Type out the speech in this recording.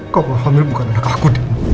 kamu hamil bukan anak aku